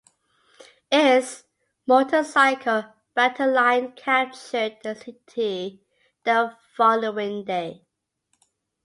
Its motorcycle battalion captured the city the following day.